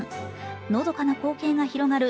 のどかな光景が広がる